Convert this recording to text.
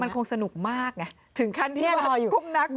มันคงสนุกมากไงถึงขั้นที่เราคุ้มนักคุ้มตา